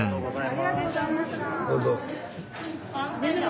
ありがとうございます。